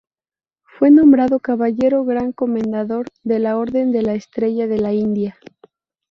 Fue nombrado caballero gran comendador de la Orden de la Estrella de la India.